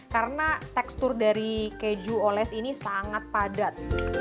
karena tekstur dari keju oles ini sangat padat